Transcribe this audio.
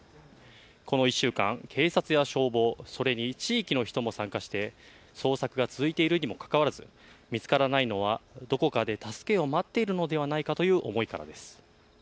この１週間、警察や消防、それに地域の人も参加して捜索が続いているにもかかわらず見つからないのはどこかで助けを待っているのではないかという思いからです。